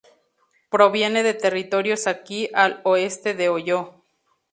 Proviene de territorio Saki, al oeste de Oyó.